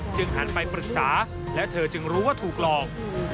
หันไปปรึกษาและเธอจึงรู้ว่าถูกหลอก